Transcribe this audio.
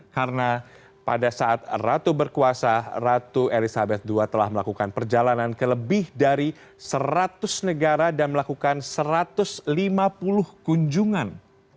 karena pada saat ratu berkuasa ratu elizabeth ii telah melakukan perjalanan ke lebih dari seratus negara dan melakukan satu ratus lima puluh kunjungan